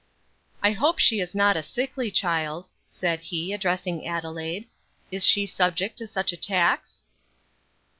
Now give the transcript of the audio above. "I hope she is not a sickly child," said he, addressing Adelaide; "is she subject to such attacks?"